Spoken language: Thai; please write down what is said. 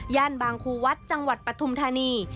บางครูวัดจังหวัดปฐุมธานี